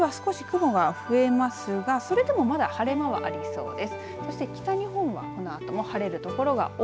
西日本から東日本今よりは少し雲が増えますがそれでもまだ晴れ間もありそうです。